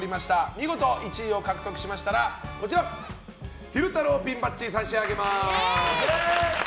見事１位を獲得しましたらこちらの昼太郎ピンバッジを差し上げます。